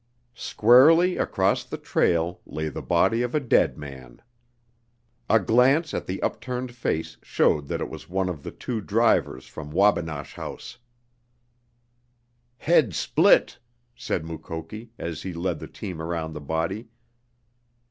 Squarely across the trail lay the body of a dead man. A glance at the upturned face showed that it was one of the two drivers from Wabinosh House. "Head split," said Mukoki, as he led the team around the body.